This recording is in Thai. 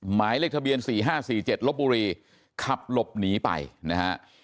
หมายเลขทะเบียน๔๕๔๗ลบบุรีขับหลบหนีไปนะฮะ